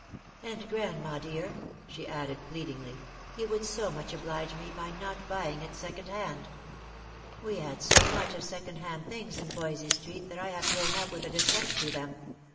" And, grandma dear," she added pleadingly, " you would so much oblige me by not buying it second hand. We had so A A 370 Lost for Love. much of second hand things in Voysey street, that I have grown np with a dislike to them.